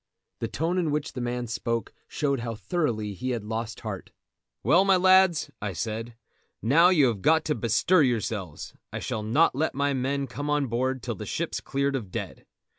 The tone in which the man spoke showed how thoroughly he had lost heart. "Well, my lads," I said, "now you have got to bestir yourselves. I shall not let my men come on board till the ship's cleared of dead.